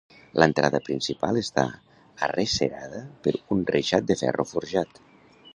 L'entrada principal està arrecerada per un reixat de ferro forjat.